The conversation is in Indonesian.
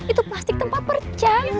itu plastik tempat perca